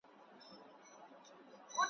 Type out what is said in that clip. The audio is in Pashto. د هغه قوم په نصیب خرسالاري وي `